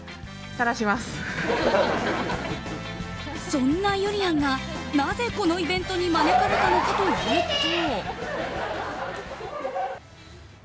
そんなゆりやんがなぜ、このイベントに招かれたのかというと。